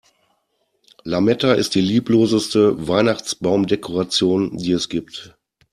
Lametta ist die liebloseste Weihnachtsbaumdekoration, die es gibt.